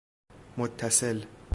متصل